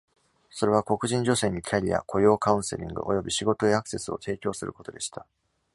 それは、黒人女性にキャリア、雇用カウンセリング、および仕事へアクセスを提供することでした。